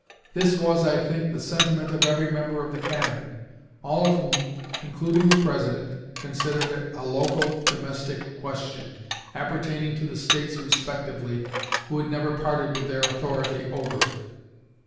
This was, I think, the sentiment of every member of the Cabinet, all of whom, including the President, considered it a local, domestic question, appertaining to the States respectively, who had never parted with their authority over it.